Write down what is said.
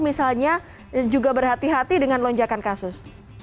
misalnya juga berhati hati dengan lonjakan kasus